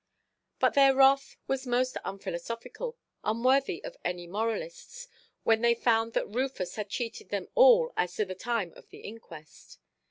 But their wrath was most unphilosophical, unworthy of any moralists, when they found that Rufus had cheated them all as to the time of the inquest.